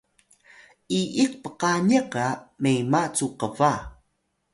iyik pqaniq ga mema cu qba